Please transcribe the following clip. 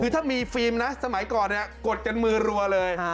คือถ้ามีฟิล์มนะสมัยก่อนกดกันมือรัวเลย